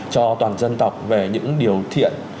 cho toàn dân tộc về những điều thiện